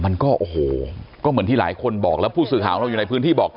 มันเขาโหก็เหมือนที่หลายคนบอกแล้วผู้สื่อหาวงเราก็อยู่ในพื้นที่